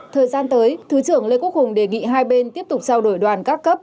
thời gian tới thứ trưởng lê quốc hùng đề nghị hai bên tiếp tục trao đổi đoàn các cấp